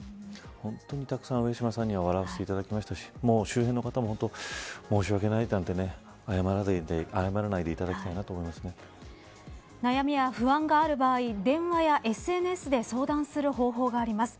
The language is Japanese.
本当にたくさん、上島さんには笑わせていただきましたし周辺の方々も申し上げないなんて謝らないでいただきたいと悩みや不安がある場合電話やＳＮＳで相談する方法があります。